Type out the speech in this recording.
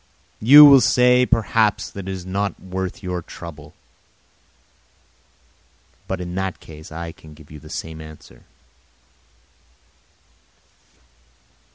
You will say, perhaps, that it is not worth your trouble; but in that case I can give you the same answer.